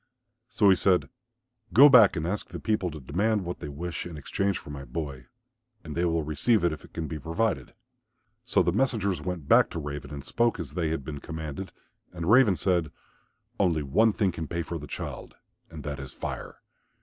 So he said, "Go back and ask the people to demand what they wish in exchange for my boy and they will receive it if it can be provided." So the messengers went back to Raven and spoke as they had been commanded. And Raven said, "Only one thing can pay for the child, and that is Fire.